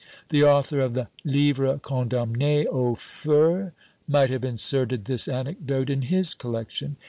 The author of the "Livres condamnés au Feu" might have inserted this anecdote in his collection.